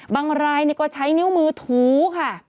บางรายก็ใช้นิ้วมือถูค่ะ